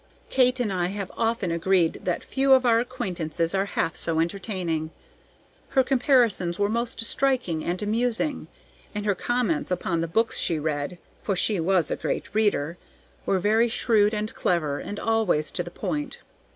Kate and I have often agreed that few of our acquaintances are half so entertaining. Her comparisons were most striking and amusing, and her comments upon the books she read for she was a great reader were very shrewd and clever, and always to the point.